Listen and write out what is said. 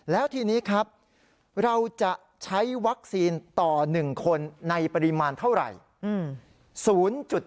แล้วทีนี้ครับเราจะใช้วัคซีนต่อ๑คนในปริมาณเท่าไหร่